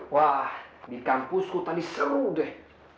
wah di kampusku tadi seru deh